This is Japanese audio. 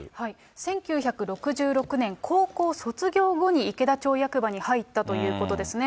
１９６６年、高校卒業後に池田町役場に入ったということですね。